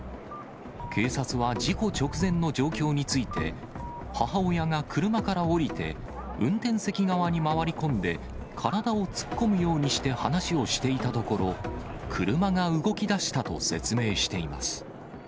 警察は事故直前の状況について、母親が車から降りて運転席側に回り込んで、体を突っ込むようにして話をしていたところ、車が動き出したと説明しています。